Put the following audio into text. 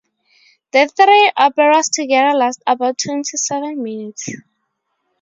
The three operas together last about twenty-seven minutes.